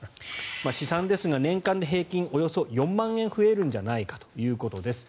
試算ですが年間平均でおよそ４万円増えるんじゃないかということです。